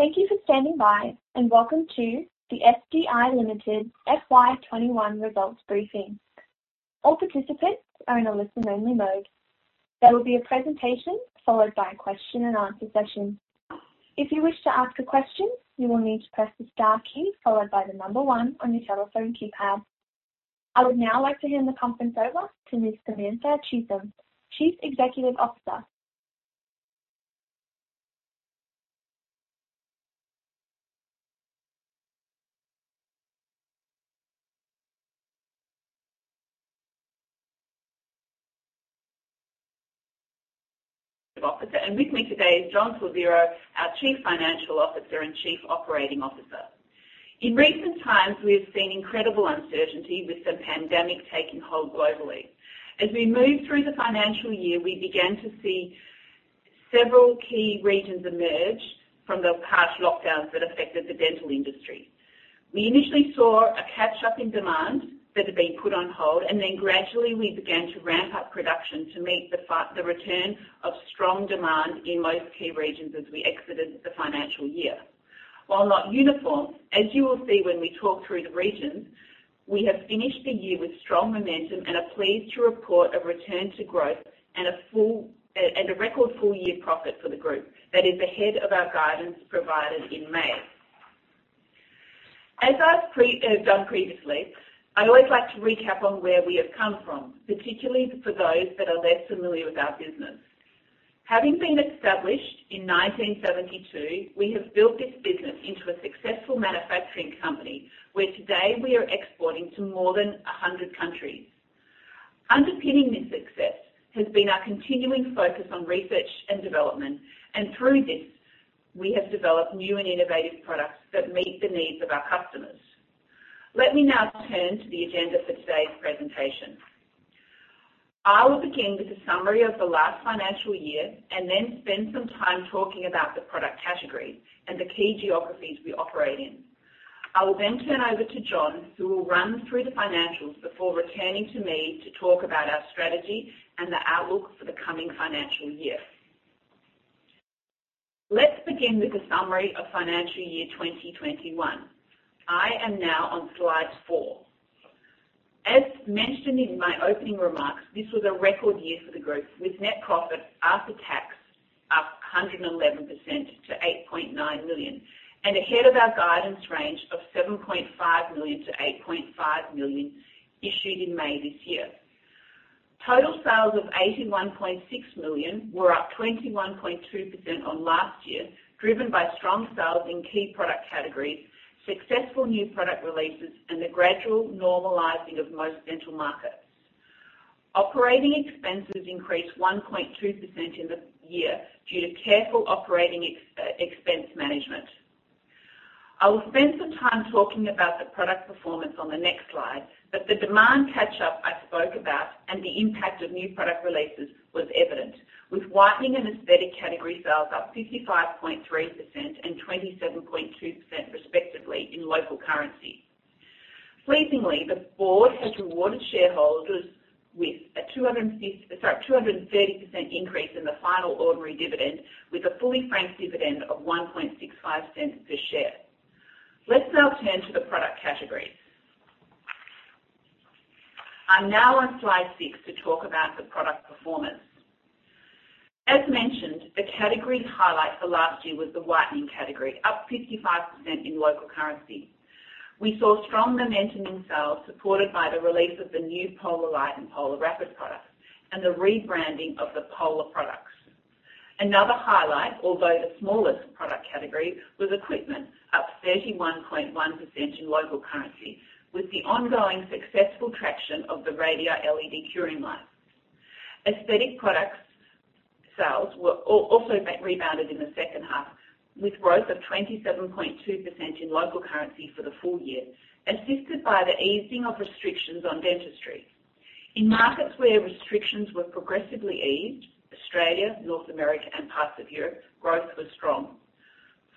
Thank you for standing by, and welcome to the SDI Limited FY 2021 results briefing. All participants are in a listen-only mode. There will be a presentation followed by a question and answer session. If you wish to ask a question, you will need to press the star key followed by the number one on your telephone keypad. I would now like to hand the conference over to Ms. Samantha Cheetham, Chief Executive Officer. Officer. With me today is John Slaviero, our Chief Financial Officer and Chief Operating Officer. In recent times, we have seen incredible uncertainty with the pandemic taking hold globally. As we moved through the financial year, we began to see several key regions emerge from the harsh lockdowns that affected the dental industry. We initially saw a catch-up in demand that had been put on hold, and then gradually, we began to ramp up production to meet the return of strong demand in most key regions as we exited the financial year. While not uniform, as you will see when we talk through the regions, we have finished the year with strong momentum and are pleased to report a return to growth and a record full-year profit for the group that is ahead of our guidance provided in May. As I've done previously, I always like to recap on where we have come from, particularly for those that are less familiar with our business. Having been established in 1972, we have built this business into a successful manufacturing company, where today we are exporting to more than 100 countries. Underpinning this success has been our continuing focus on research and development, and through this, we have developed new and innovative products that meet the needs of our customers. Let me now turn to the agenda for today's presentation. I will begin with a summary of the last financial year and then spend some time talking about the product categories and the key geographies we operate in. I will then turn over to John, who will run through the financials before returning to me to talk about our strategy and the outlook for the coming financial year. Let's begin with a summary of financial year 2021. I am now on slide four. As mentioned in my opening remarks, this was a record year for the group, with net profit after tax up 111% to 8.9 million and ahead of our guidance range of 7.5 million-8.5 million issued in May this year. Total sales of 81.6 million were up 21.2% on last year, driven by strong sales in key product categories, successful new product releases, and the gradual normalizing of most dental markets. Operating expenses increased 1.2% in the year due to careful operating expense management. I will spend some time talking about the product performance on the next slide, but the demand catch-up I spoke about and the impact of new product releases was evident, with whitening and aesthetic category sales up 55.3% and 27.2% respectively in local currency. Pleasingly, the board has rewarded shareholders with a 230% increase in the final ordinary dividend, with a fully franked dividend of 0.0165 per share. Let's now turn to the product categories. I'm now on slide six to talk about the product performance. As mentioned, the category highlight for last year was the whitening category, up 55% in local currency. We saw strong momentum in sales, supported by the release of the new Pola Light and Pola Rapid products and the rebranding of the Pola products. Another highlight, although the smallest product category, was equipment, up 31.1% in local currency, with the ongoing successful traction of the Radii LED curing lights. Aesthetic products sales also rebounded in the second half, with growth of 27.2% in local currency for the full year, assisted by the easing of restrictions on dentistry. In markets where restrictions were progressively eased, Australia, North America, and parts of Europe, growth was strong.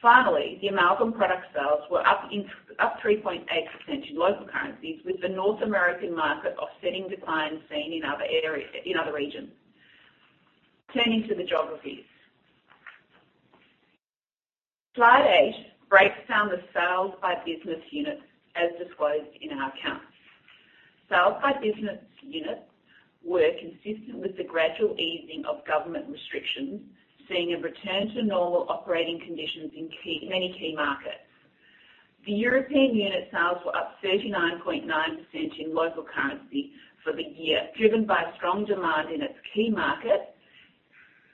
Finally, the amalgam product sales were up 3.8% in local currencies, with the North American market offsetting decline seen in other regions. Turning to the geographies. Slide eight breaks down the sales by business unit as disclosed in our accounts. Sales by business unit were consistent with the gradual easing of government restrictions, seeing a return to normal operating conditions in many key markets. The European unit sales were up 39.9% in local currency for the year, driven by strong demand in its key markets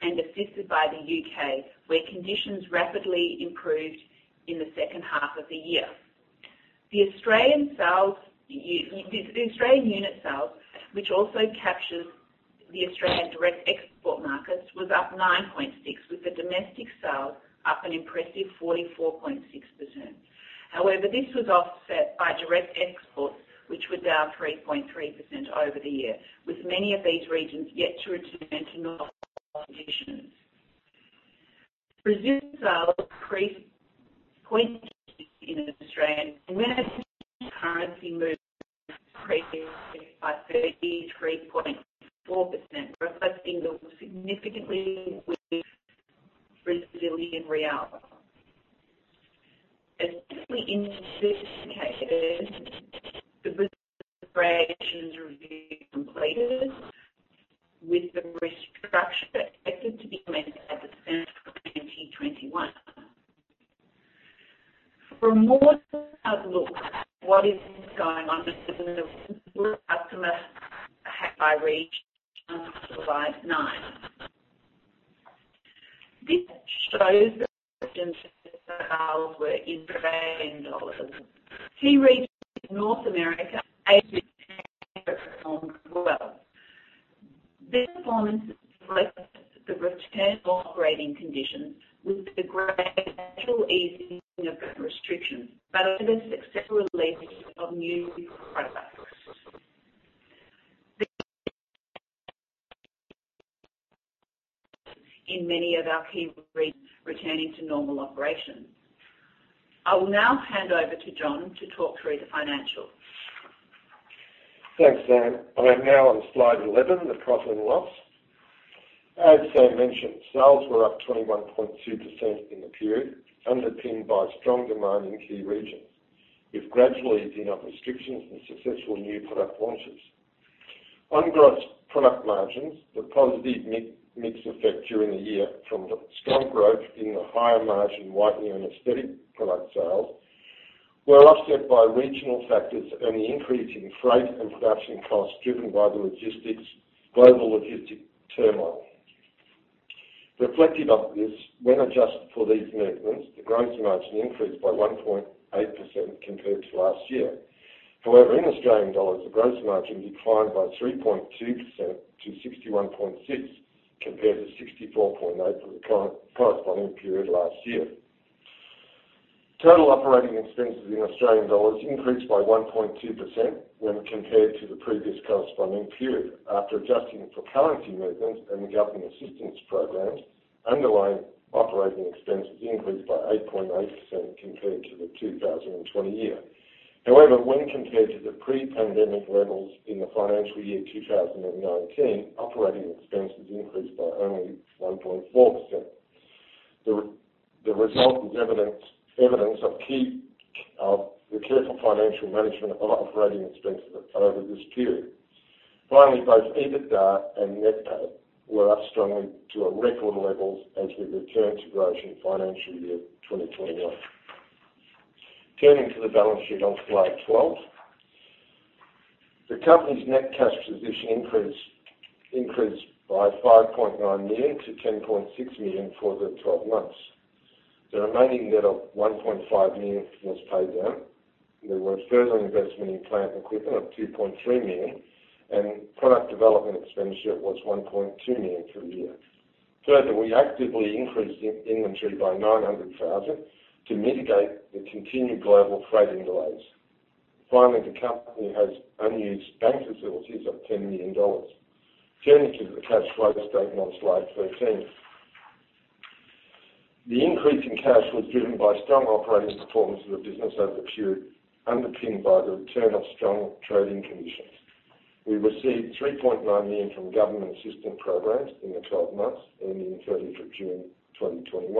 and assisted by the U.K., where conditions rapidly improved in the second half of the year. The Australian unit sales, which also captures the Australian direct export markets, was up 9.6%, with the domestic sales up an impressive 44.6%. However, this was offset by direct exports, which were down 3.3% over the year, with many of these regions yet to return to normal conditions. Brazil sales increased in Australian currency movements increased by 33.4%, reflecting the significantly weak Brazilian real. As completed, with the restructure expected to be made at the start of 2021. For more outlook, what is going on with the customer by region, slide nine. This shows the sales were in Australian dollars. Key regions North America, Asia performed well. This performance reflects the return to operating conditions with the gradual easing of restrictions, but also the successful release of new products. In many of our key regions returning to normal operations. I will now hand over to John to talk through the financials. Thanks, Sam. I am now on slide 11, the profit and loss. As Sam mentioned, sales were up 21.2% in the period, underpinned by strong demand in key regions, with gradual easing of restrictions and successful new product launches. On gross product margins, the positive mix effect during the year from strong growth in the higher margin whitening and aesthetic product sales, were offset by regional factors and the increase in freight and production costs driven by the global logistic turmoil. Reflective of this, when adjusted for these movements, the gross margin increased by 1.8% compared to last year. However, in Australian dollars, the gross margin declined by 3.2% to 61.6%, compared to 64.8% for the corresponding period last year. Total operating expenses in Australian dollars increased by 1.2% when compared to the previous corresponding period. After adjusting for currency movements and the government assistance programs, underlying operating expenses increased by 8.8% compared to the 2020 year. When compared to the pre-pandemic levels in the financial year 2019, operating expenses increased by only 1.4%. The result is evidence of the careful financial management of operating expenses over this period. Both EBITDA and NPAT were up strongly to our record levels as we return to growth in financial year 2021. Turning to the balance sheet on slide 12. The company's net cash position increased by 5.9 million to 10.6 million for the 12 months. The remaining net of 1.5 million was paid down. There was further investment in plant and equipment of 2.3 million, and product development expenditure was 1.2 million for the year. We actively increased inventory by 900,000 to mitigate the continued global freighting delays. Finally, the company has unused bank facilities of 10 million dollars. Turning to the cash flow statement on slide 13. The increase in cash was driven by strong operating performance of the business over the period, underpinned by the return of strong trading conditions. We received 3.9 million from government assistant programs in the 12 months ending 30th of June 2021.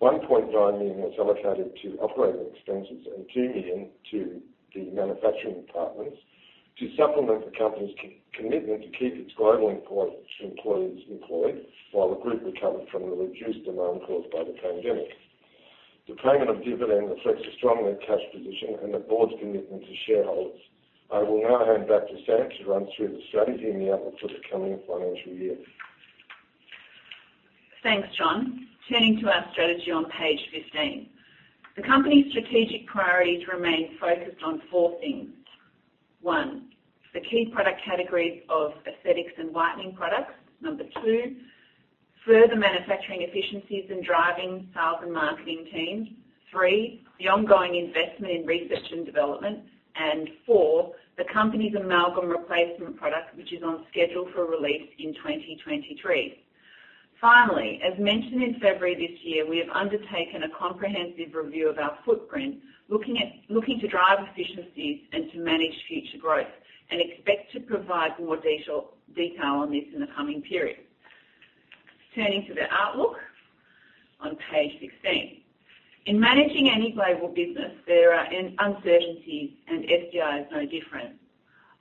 1.9 million was allocated to operating expenses and 2 million to the manufacturing departments to supplement the company's commitment to keep its global employees employed while the group recovered from the reduced demand caused by the pandemic. The payment of dividend reflects a stronger cash position and the board's commitment to shareholders. I will now hand back to Sam to run through the strategy and the outlook for the coming financial year. Thanks, John. Turning to our strategy on page 15. The company's strategic priorities remain focused on four things. One, the key product categories of aesthetics and whitening products. Number two, further manufacturing efficiencies and driving sales and marketing teams. Three, the ongoing investment in research and development. Four, the company's amalgam replacement product, which is on schedule for release in 2023. Finally, as mentioned in February this year, we have undertaken a comprehensive review of our footprint, looking to drive efficiencies and to manage future growth, and expect to provide more detail on this in the coming period. Turning to the outlook on page 16. In managing any global business, there are uncertainties, and SDI is no different.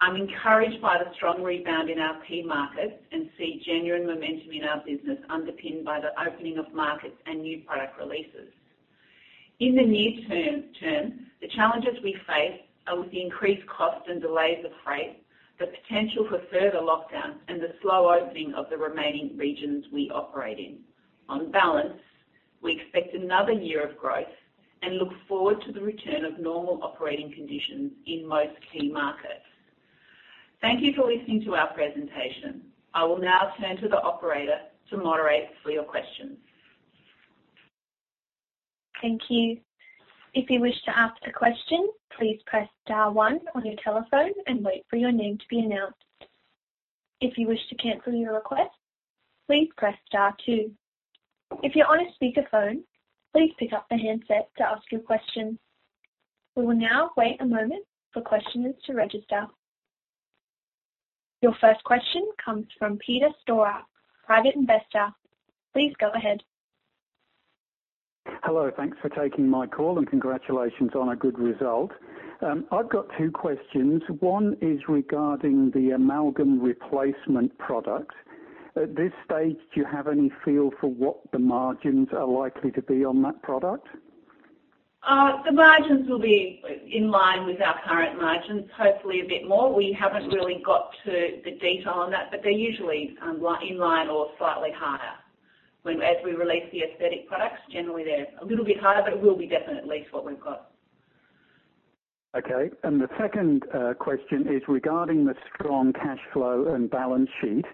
I'm encouraged by the strong rebound in our key markets and see genuine momentum in our business underpinned by the opening of markets and new product releases. In the near term, the challenges we face are with the increased cost and delays of freight, the potential for further lockdowns, and the slow opening of the remaining regions we operate in. On balance, we expect another year of growth and look forward to the return of normal operating conditions in most key markets. Thank you for listening to our presentation. I will now turn to the operator to moderate for your questions. Thank you. If you wish to ask a question, please press star one on your telephone and wait for your name to be announced. If you wish to cancel your request, please press star two. If you're on a speakerphone, please pick up the handset to ask your question. We will now wait a moment for questioners to register. Your first question comes from [Peter Storer] private investor. Please go ahead. Hello. Thanks for taking my call, and congratulations on a good result. I've got two questions. One is regarding the amalgam replacement product. At this stage, do you have any feel for what the margins are likely to be on that product? The margins will be in line with our current margins, hopefully a bit more. We haven't really got to the detail on that, but they're usually in line or slightly higher. As we release the aesthetic products, generally they're a little bit higher, but it will be definitely what we've got. Okay. The second question is regarding the strong cash flow and balance sheet.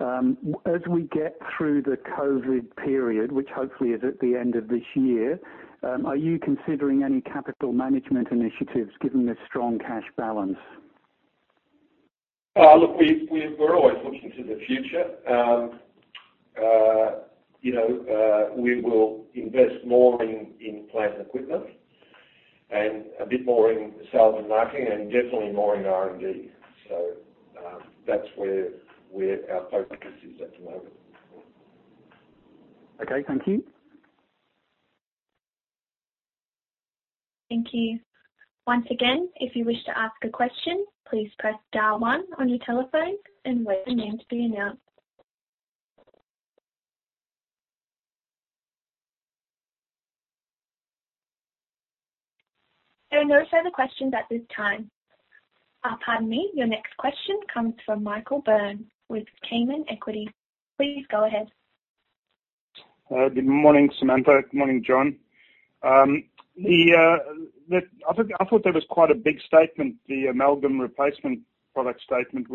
As we get through the COVID period, which hopefully is at the end of this year, are you considering any capital management initiatives given this strong cash balance? Look, we're always looking to the future. We will invest more in plant equipment and a bit more in sales and marketing and definitely more in R&D. That's where our focus is at the moment. Okay, thank you. Thank you. Once again if you wish to ask a question, please press star one on your telephone and wait for your names to be announced. There are no further questions at this time. Pardon me. Your next question comes from [Michael Burn] with Cayman Equity. Please go ahead. Good morning, Samantha. Good morning, John. I thought that was quite a big statement, the amalgam replacement product statement.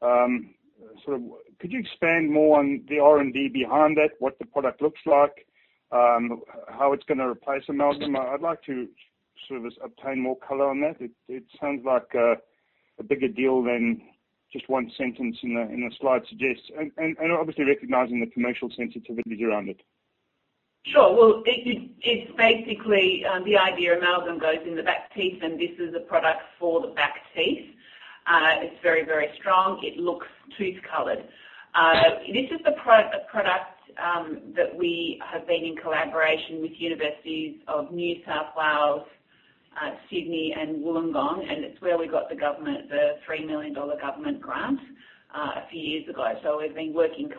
Could you expand more on the R&D behind that, what the product looks like, how it's going to replace amalgam? I'd like to obtain more color on that. It sounds like a bigger deal than just one sentence in a slide suggests. Obviously recognizing the commercial sensitivities around it. Sure. Well, it's basically the idea amalgam goes in the back teeth, and this is a product for the back teeth. It's very strong. It looks tooth-colored. This is the product that we have been in collaboration with University of New South Wales, University of Sydney, and University of Wollongong, and it's where we got the 3 million dollar government grant a few years ago. We've been working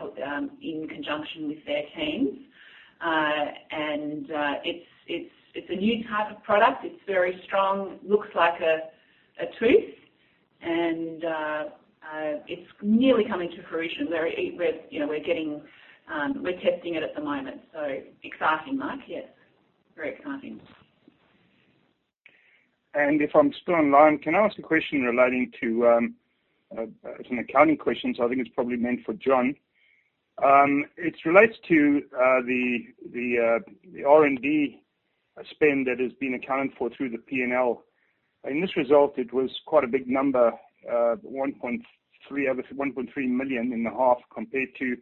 in conjunction with their teams. It's a new type of product. It's very strong. It looks like a tooth, and it's nearly coming to fruition. We're testing it at the moment, so exciting, Mike. Yes, very exciting. If I'm still online, can I ask a question relating to, it's an accounting question, so I think it's probably meant for John. It relates to the R&D spend that has been accounted for through the P&L. In this result, it was quite a big number, 1.3 million in the half, compared to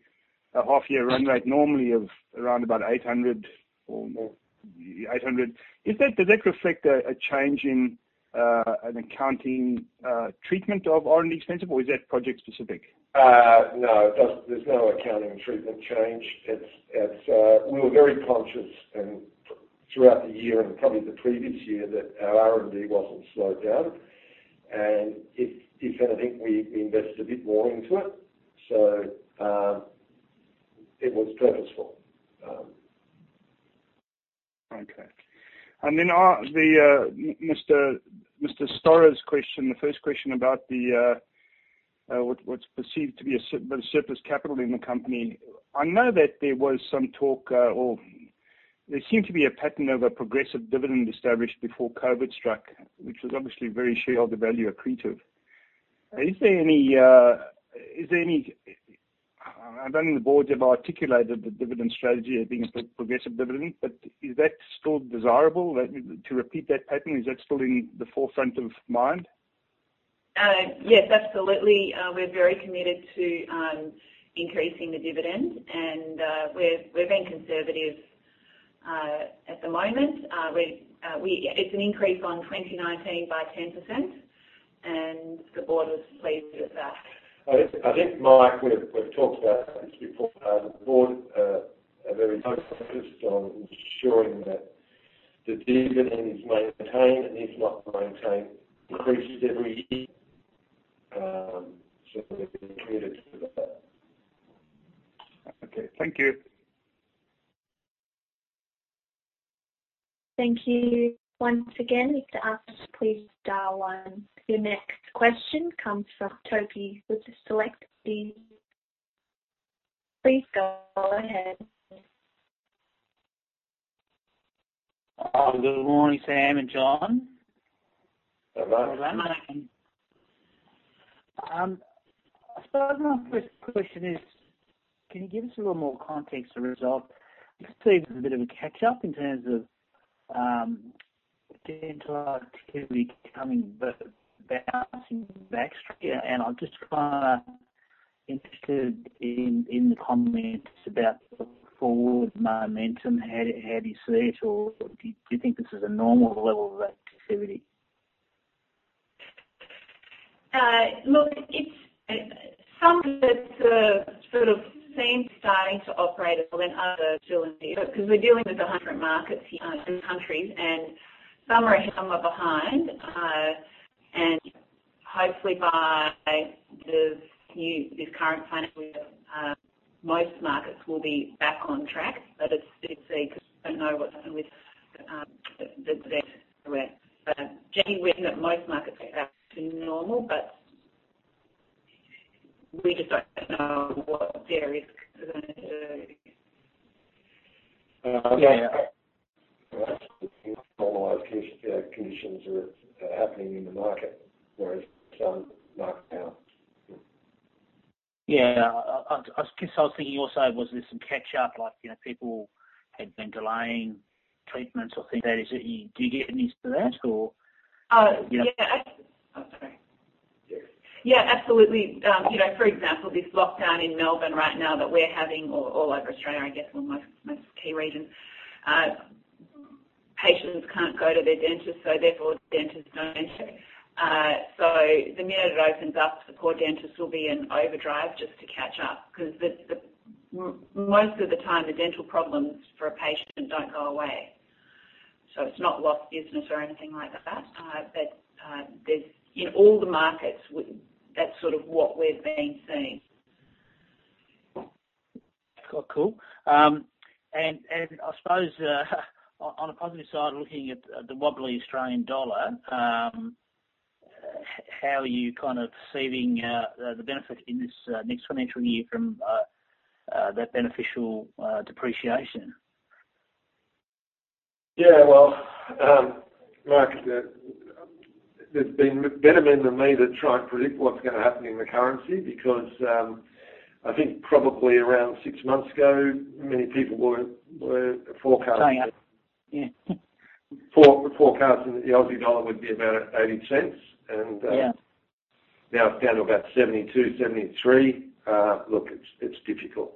a half-year run rate normally of around 800. Does that reflect a change in an accounting treatment of R&D expense, or is that project-specific? No. There's no accounting treatment change. We were very conscious throughout the year, and probably the previous year, that our R&D wasn't slowed down, and if anything, we invested a bit more into it. It was purposeful. Okay. Mr. Storer's question, the first question about what's perceived to be a surplus capital in the company. I know that there was some talk, or there seemed to be a pattern of a progressive dividend established before COVID struck, which was obviously very shareholder value accretive. I don't think the board have articulated the dividend strategy as being a progressive dividend. Is that still desirable? To repeat that pattern, is that still in the forefront of mind? Yes, absolutely. We're very committed to increasing the dividend, and we're being conservative at the moment. It's an increase on 2019 by 10%, and the board is pleased with that. I think, Mike, we've talked about this before. The board are very focused on ensuring that the dividend is maintained, and if not maintained, increases every year. We're committed to that. Okay. Thank you. Thank you. Once again to ask a question please press star one. Your next question comes from Mark Topy with Select Equities. Please go ahead. Good morning, Sam and John. Hello. Hello. I suppose my first question is. Can you give us a little more context to the result? This seems a bit of a catch-up in terms of dental activity coming bouncing back. I'm just interested in the comments about the forward momentum. How do you see it? Do you think this is a normal level of activity? Look, some of it sort of seems starting to operate a little, and others still in there, because we're dealing with different markets here and countries, and some are ahead, some are behind. Hopefully by this current financial year, most markets will be back on track. It's easy because we don't know what's happening with the rest of the world. Generally, we're hoping that most markets are back to normal, but we just don't know what their risk is going to do. Yeah. Normalized conditions are happening in the market, whereas some marked down. Yeah. I guess I was thinking also, was this some catch-up, like people had been delaying treatments or things like that. Did you get any of that or? Sorry. Absolutely. For example, this lockdown in Melbourne right now that we're having, or all over Australia, I guess, well, most key regions. Patients can't go to their dentist, therefore dentists don't enter. The minute it opens up, the poor dentists will be in overdrive just to catch up because, most of the time, the dental problems for a patient don't go away. It's not lost business or anything like that. In all the markets, that's sort of what we've been seeing. Cool. I suppose on a positive side, looking at the wobbly Australian dollar, how are you seeing the benefit in this next financial year from that beneficial depreciation? Well, Mark, there's been better men than me that try and predict what's going to happen in the currency because, I think probably around six months ago, many people were forecasting. Oh, yeah. Yeah. Forecasting that the Aussie dollar would be about 0.80. Yeah. Now it's down to about 0.72-0.73. Look, it's difficult.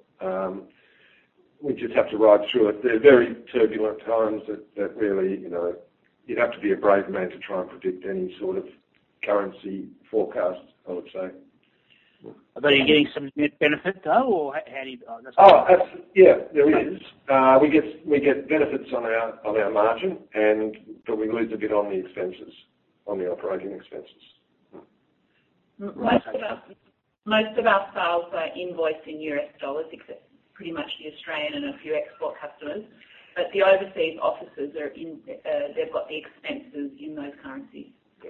We just have to ride through it. They're very turbulent times that really, you'd have to be a brave man to try and predict any sort of currency forecast, I would say. Are you getting some net benefit, though? How do you. Oh, absolutely. Yeah, there is. We get benefits on our margin, but we lose a bit on the expenses, on the operating expenses. Most of our sales are invoiced in U.S. dollars, except pretty much the Australian and a few export customers. The overseas offices, they've got the expenses in those currencies. We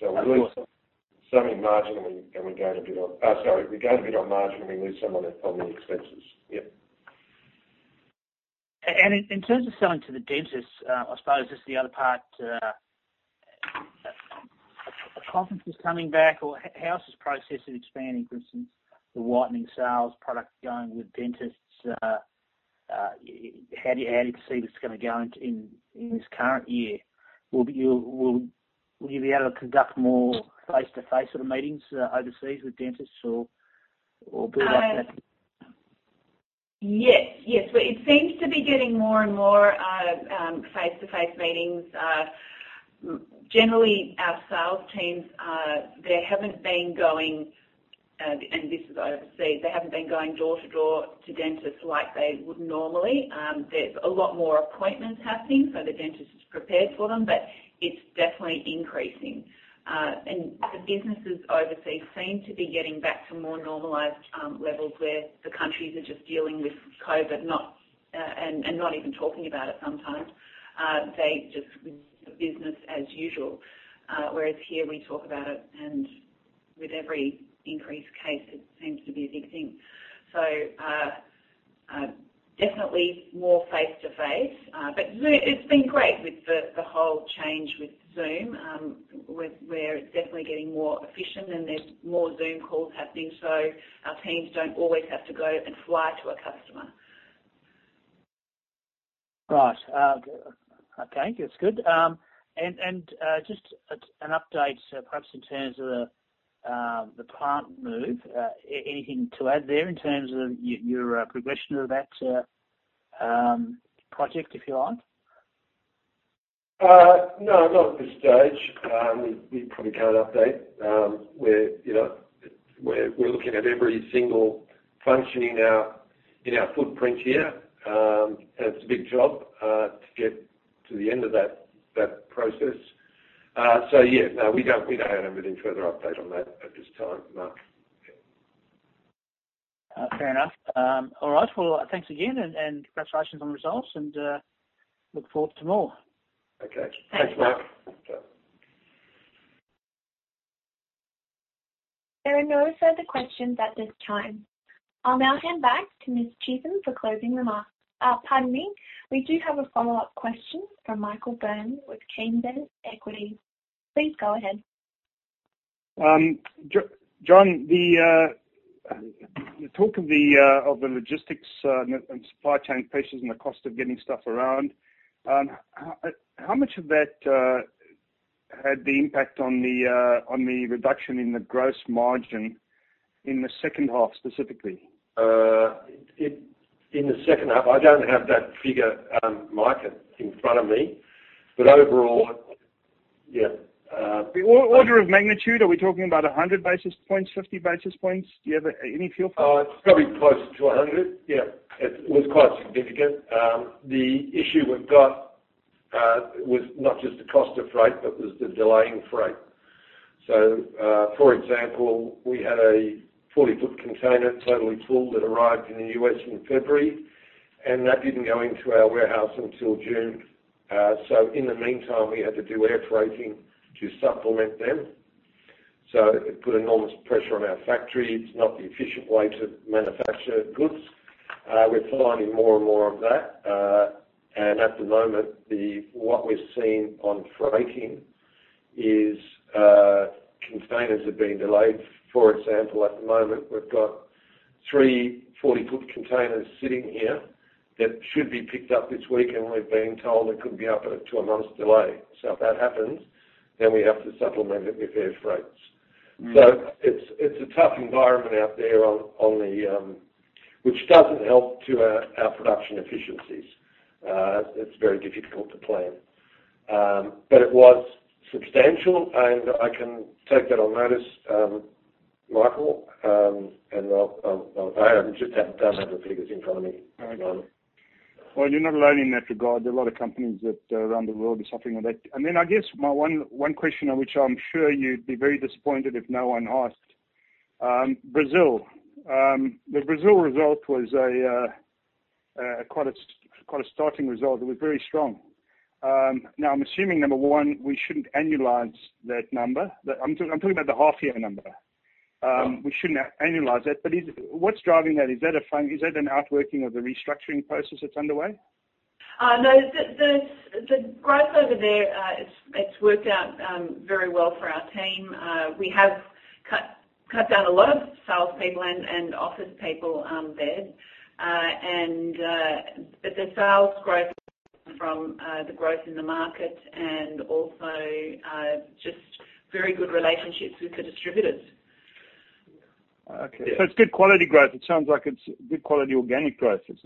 lose some in margin, and we gain a bit on margin, and we lose some on the expenses. Yep. In terms of selling to the dentists, I suppose this is the other part. Are conferences coming back, or how is this process of expanding, for instance, the whitening sales product going with dentists? How do you see this going to go in this current year? Will you be able to conduct more face-to-face sort of meetings overseas with dentists or build up that? Yes. It seems to be getting more and more face-to-face meetings. Generally, our sales teams, they haven't been going, and this is overseas, they haven't been going door to door to dentists like they would normally. There's a lot more appointments happening, so the dentist is prepared for them, but it's definitely increasing. The businesses overseas seem to be getting back to more normalized levels where the countries are just dealing with COVID and not even talking about it sometimes. They just do business as usual. Whereas here, we talk about it, and with every increased case, it seems to be a big thing. Definitely more face-to-face. Zoom, it's been great with the whole change with Zoom, where it's definitely getting more efficient and there's more Zoom calls happening, so our teams don't always have to go and fly to a customer. Right. Okay, that's good. Just an update, perhaps in terms of the plant move. Anything to add there in terms of your progression of that project, if you like? No, not at this stage. We probably can't update. We're looking at every single function in our footprint here. It's a big job to get to the end of that process. Yeah, no, we don't have anything further update on that at this time, Mark. Fair enough. All right. Well, thanks again, and congratulations on the results, and look forward to more. Okay. Thanks, Mark. Thanks. There are no further questions at this time. I'll now hand back to Ms. Cheetham for closing remarks. Pardon me. We do have a follow-up question from [Michael Burn] with Cayman Equity. Please go ahead. John, the talk of the logistics and supply chain pressures and the cost of getting stuff around, how much of that had the impact on the reduction in the gross margin in the second half specifically? In the second half, I don't have that figure, Mike, in front of me. Overall, yeah. The order of magnitude, are we talking about 100 basis points, 50 basis points? Do you have any feel for it? It's probably closer to 100. Yeah. It was quite significant. The issue we've got was not just the cost of freight, but was the delay in freight. For example, we had a 40-foot container totally full that arrived in the U.S. in February, and that didn't go into our warehouse until June. In the meantime, we had to do air freighting to supplement them. It put enormous pressure on our factory. It's not the efficient way to manufacture goods. We're finding more and more of that. At the moment, what we're seeing on freighting is containers are being delayed. For example, at the moment, we've got three 40-foot containers sitting here that should be picked up this week, and we've been told it could be up to a month's delay. If that happens, then we have to supplement it with air freights. It's a tough environment out there, which doesn't help to our production efficiencies. It's very difficult to plan. It was substantial, and I can take that on notice, Michael, and I just don't have the figures in front of me. All right. Well, you're not alone in that regard. There are a lot of companies around the world are suffering with that. I guess my one question, which I'm sure you'd be very disappointed if no one asked. Brazil. The Brazil result was quite a startling result. It was very strong. I'm assuming, number one, we shouldn't annualize that number. I'm talking about the half year number. Sure. We shouldn't annualize that. What's driving that? Is that an outworking of the restructuring process that's underway? No. The growth over there, it's worked out very well for our team. We have cut down a lot of salespeople and office people there. The sales growth from the growth in the market and also just very good relationships with the distributors. Okay. It's good quality growth. It sounds like it's good quality organic growth. Yes.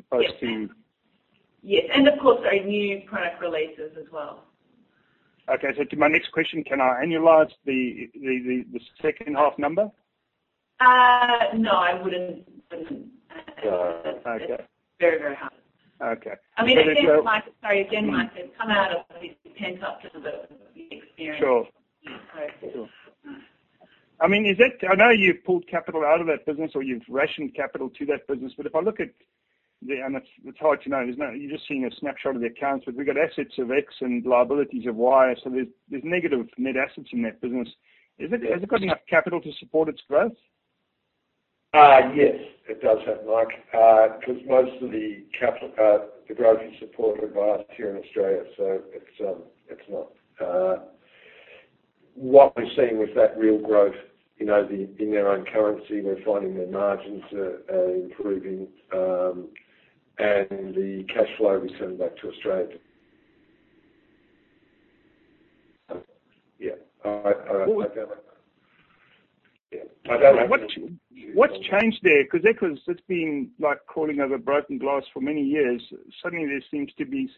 Of course, our new product releases as well. Okay. To my next question, can I annualize the second half number? No, I wouldn't. Okay. It's very, very hard. Okay. Sorry, again, Michael, to come out of it depends on the experience. Sure. I know you've pulled capital out of that business, or you've rationed capital to that business. If I look at the, and it's hard to know, isn't it? You're just seeing a snapshot of the accounts. If we've got assets of X and liabilities of Y, so there's negative net assets in that business. Has it got enough capital to support its growth? Yes, it does have, Mike, because most of the growth is supported by us here in Australia. What we're seeing with that real growth in their own currency, we're finding their margins are improving, and the cash flow returning back to Australia. Yeah. What's changed there? It's been like crawling over broken glass for many years. Suddenly there seems to be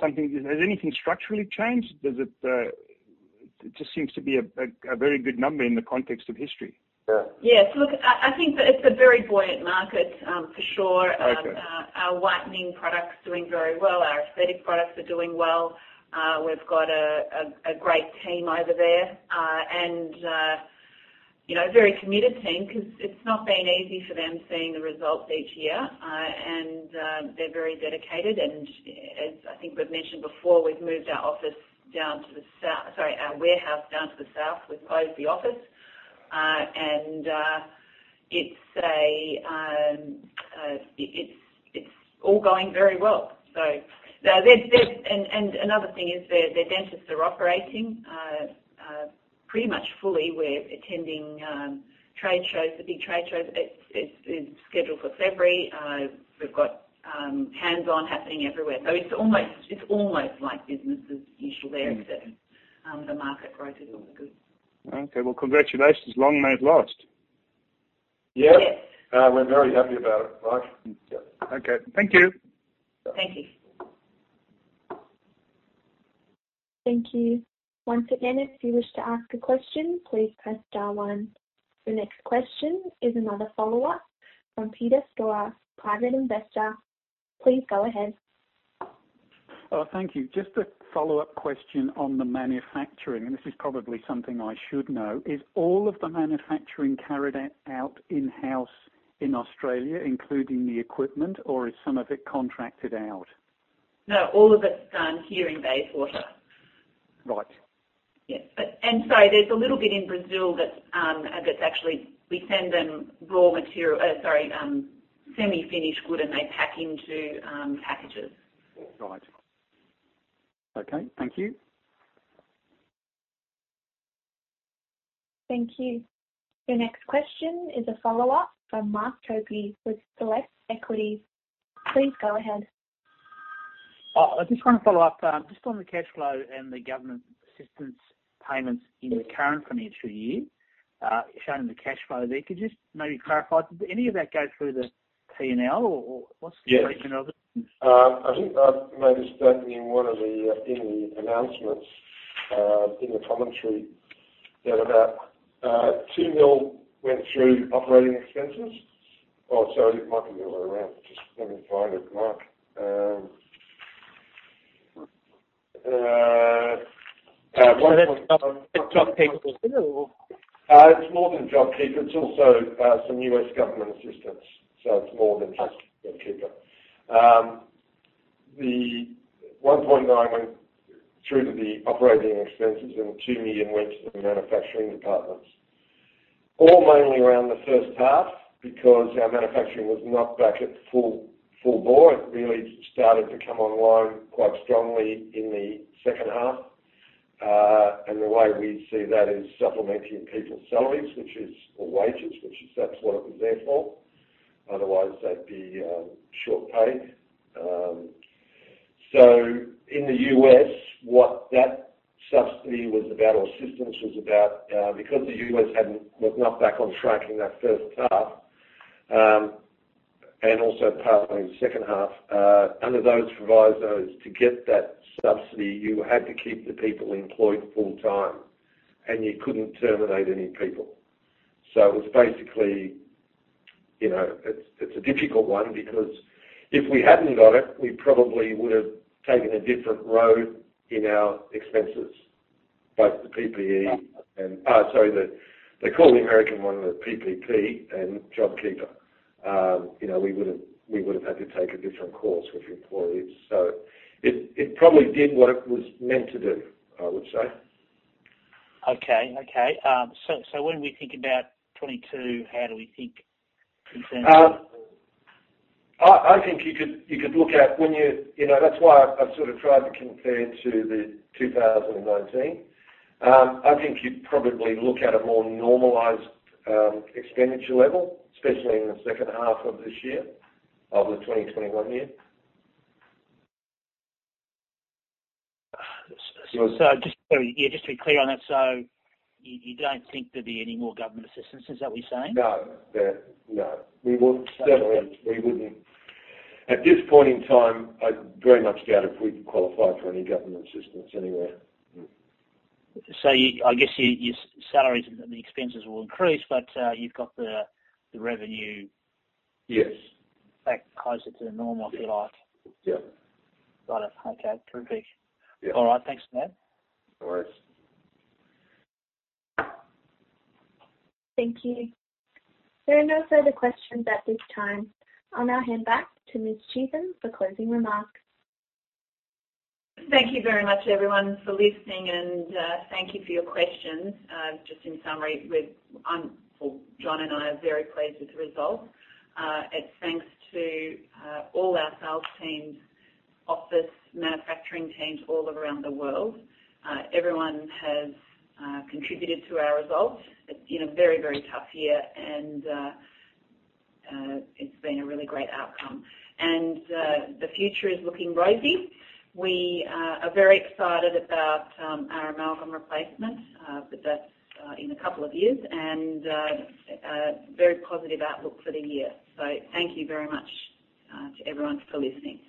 something. Has anything structurally changed? It just seems to be a very good number in the context of history. Yeah. Yes. Look, I think that it's a very buoyant market, for sure. Okay. Our whitening product's doing very well. Our aesthetic products are doing well. We've got a great team over there. A very committed team because it's not been easy for them seeing the results each year. They're very dedicated. As I think we've mentioned before, we've moved our warehouse down to the south. We've closed the office. It's all going very well. Another thing is their dentists are operating pretty much fully. We're attending big trade shows. It's scheduled for February. We've got hands-on happening everywhere. It's almost like business as usual there, except the market growth is all good. Okay. Well, congratulations. Long may it last. Yeah. Yes. We're very happy about it, Michael. Okay. Thank you. Thank you. Thank you. Once again, if you wish to ask a question, please press star one. The next question is another follow-up from [Peter Storer] private investor. Please go ahead. Thank you. Just a follow-up question on the manufacturing, and this is probably something I should know. Is all of the manufacturing carried out in-house in Australia, including the equipment, or is some of it contracted out? No, all of it's done here in Bayswater. Right. Yes. Sorry, there's a little bit in Brazil that's actually we send them raw material semi-finished good and they pack into packages. Right. Okay, thank you. Thank you. Your next question is a follow-up from Mark Topy with Select Equities. Please go ahead. I just want to follow up just on the cash flow and the government assistance payments in the current financial year, showing the cash flow there. Could you just maybe clarify, did any of that go through the P&L or what's the breakdown of it? I think I may have stated in one of the announcements in the commentary that about 2 mil went through operating expenses. Oh, sorry, it might be the other way around. Just let me find it, Mark. That's JobKeeper still? It's more than JobKeeper. It's also some U.S. government assistance. It's more than just JobKeeper. The 1.9 went through to the operating expenses and 2 million went to the manufacturing departments. All mainly around the first half because our manufacturing was not back at full bore. It really started to come online quite strongly in the second half. The way we see that is supplementing people's salaries or wages, which that's what it was there for. Otherwise, they'd be short paid. In the U.S., what that subsidy was about or assistance was about, because the U.S. was not back on track in that first half, and also partway in the second half, under those provisos, to get that subsidy, you had to keep the people employed full time and you couldn't terminate any people. It was basically, it is a difficult one because if we hadn't got it, we probably would've taken a different road in our expenses, both the PPE and, sorry, they call the American one the PPP and JobKeeper. We would've had to take a different course with employees. It probably did what it was meant to do, I would say. Okay. When we think about 2022, how do we think? That's why I've sort of tried to compare to the 2019. I think you'd probably look at a more normalized expenditure level, especially in the second half of this year, of the 2021 year. Yeah, just to be clear on that, so you don't think there'd be any more government assistance, is that what you're saying? No. Definitely, we wouldn't. At this point in time, I very much doubt if we'd qualify for any government assistance anywhere. I guess your salaries and the expenses will increase, but you've got the revenue. Yes. Back closer to normal, if you like. Yeah. Got it. Okay, terrific. Yeah. All right. Thanks, John. No worries. Thank you. There are no further questions at this time. I'll now hand back to Ms. Cheetham for closing remarks. Thank you very much everyone for listening and thank you for your questions. Just in summary, John and I are very pleased with the result. It's thanks to all our sales teams, office, manufacturing teams all around the world. Everyone has contributed to our results. It's been a very, very tough year and it's been a really great outcome. The future is looking rosy. We are very excited about our amalgam replacement, but that's in a couple of years and a very positive outlook for the year. Thank you very much to everyone for listening.